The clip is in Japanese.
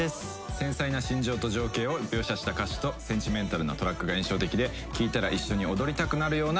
繊細な心情と情景を描写した歌詞とセンチメンタルなトラックが印象的で聴いたら一緒に踊りたくなるような一曲です。